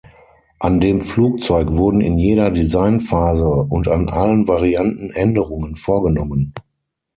An dem Flugzeug wurden in jeder Designphase und an allen Varianten Änderungen vorgenommen.